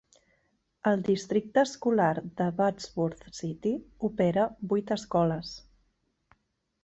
El districte escolar de Wadsworth City opera vuit escoles.